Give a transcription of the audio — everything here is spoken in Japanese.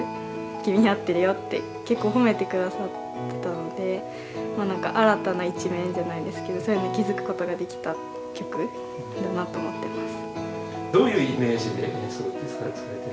「君に合ってるよ」って結構褒めて下さってたので新たな一面じゃないですけどそういうのに気付くことができた曲だなと思ってます。